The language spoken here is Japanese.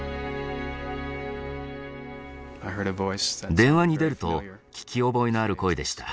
電話に出ると聞き覚えのある声でした。